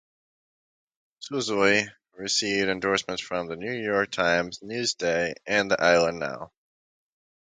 Suozzi received endorsements from "The New York Times", "Newsday", and "The Island Now".